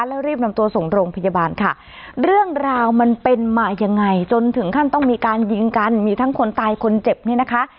แล้วรีบนำตัวส่งโรงพยาบาลค่ะเรื่องราวมันเป็นมายังไงจนถึงขั้นต้องมีการยิงกันมีทั้งคนตายคนเจ็บเนี่ยนะคะ